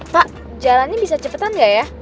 pak jalannya bisa cepetan gak ya